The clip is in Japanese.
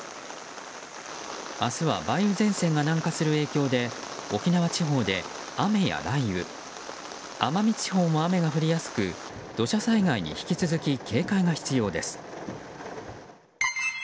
明日は梅雨前線が南下する影響で沖縄地方で雨や雷雨奄美地方も雨が降りやすく土砂災害になすのアレ！